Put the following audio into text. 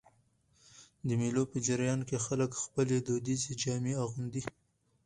د مېلو په جریان کښي خلک خپلي دودیزي جامې اغوندي.